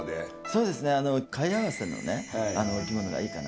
そうですね貝合わせのお着物がいいかなって。